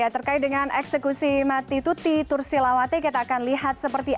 terkait dengan eksekusi mati tuti tursilawati kita akan lihat seperti